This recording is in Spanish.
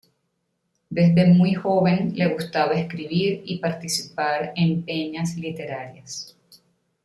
Desde muy joven le gustaba escribir y participar en peñas literarias.